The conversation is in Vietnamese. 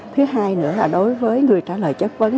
thứ hai nữa là đối với người trả lời chất vấn